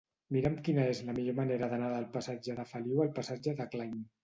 Mira'm quina és la millor manera d'anar del passatge de Feliu al passatge de Klein.